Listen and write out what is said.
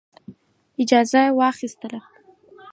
اجازه واخیستله.